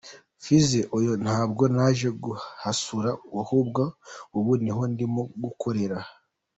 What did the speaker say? Feezy: oya ntabwo naje kuhasura ahubwo ubu niho ndimo gukorera.